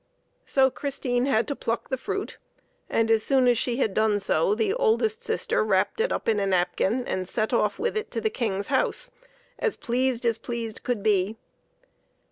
So Christine had to pluck the fruit; and as soon as she had done so the oldest sister wrapped it up in a napkin and set off with it to the King's house, as pleased as pleased could be.